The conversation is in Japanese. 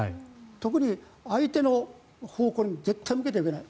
特に相手の方向に絶対に向けてはいけない。